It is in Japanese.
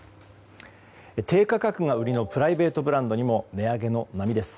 低価格が売りのプライベートブランドにも値上げの波です。